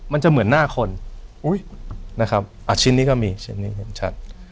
มันจะเหมือนหน้าคนอุ้ยนะครับชิ้นนี้ก็มีชิ้นนี้เห็นชัด